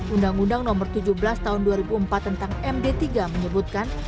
undang undang nomor tujuh belas tahun dua ribu empat tentang md tiga menyebutkan